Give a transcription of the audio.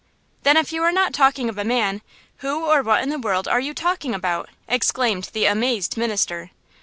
"Then, if you are not talking of a man, who or what in the world are you talking about?" exclaimed the amazed minister.